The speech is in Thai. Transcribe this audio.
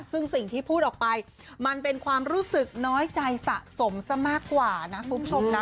ซึ่งสิ่งที่พูดออกไปมันเป็นความรู้สึกน้อยใจสะสมซะมากกว่านะคุณผู้ชมนะ